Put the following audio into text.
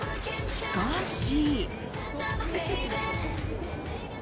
しかし。